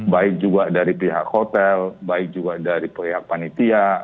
baik juga dari pihak hotel baik juga dari pihak panitia